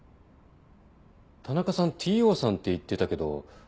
田中さん「Ｔ・Ｏさん」って言ってたけど。